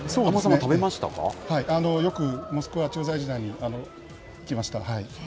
はい、よくモスクワ駐在時代に行きました。